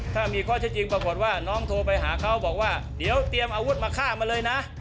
ถ้ามีข้อเท็จจริงปรากฏว่าน้องโทรไปหาเขาบอกว่าเดี๋ยวเตรียมอาวุธมาฆ่ามาเลยนะ